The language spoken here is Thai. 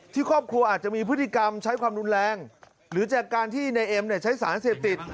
ครอบครัวอาจจะมีพฤติกรรมใช้ความรุนแรงหรือจากการที่ในเอ็มใช้สารเสพติด